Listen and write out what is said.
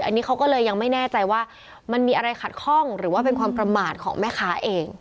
อันนี้เขาก็เลยยังไม่แน่ใจว่ามันมีอะไรขัดข้องหรือว่าเป็นความประมาทของแม่ค้าเอง